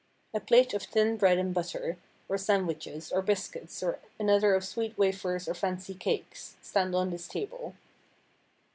A plate of thin bread and butter, or sandwiches, or biscuits, and another of sweet wafers or fancy cakes, stand on this table.